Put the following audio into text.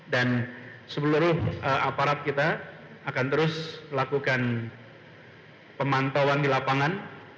dan sepeluruh aparat kita akan terus lakukan pemantauan di lapangan